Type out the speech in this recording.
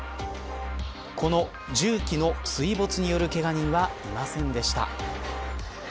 この重機の水没によるけが人はいませんでした。